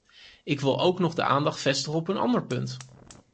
Ik wil ook nog de aandacht vestigen op een ander punt.